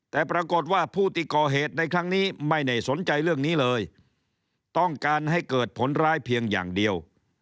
แต่ปรากฏว่าผู้ที่ก่อเหตุในครั้งนี้ไม่ได้สนใจเรื่องนี้เลยต้องการให้เกิดผลร้ายเพียงอย่างเดียว